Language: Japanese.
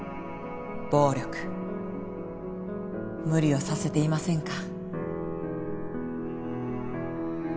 暴力無理をさせていませんか？